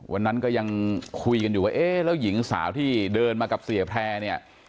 วันนั้นก็ยังคุยกันอยู่ว่าเอ๊ะแล้วหญิงสาวที่เดินมากับเสียแพร่เนี่ย